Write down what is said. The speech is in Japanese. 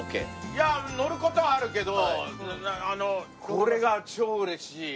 いや乗る事はあるけどこれが超嬉しい。